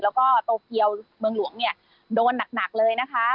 แล้วก็โตเกียวเมืองหลวงเนี่ยโดนหนักเลยนะคะ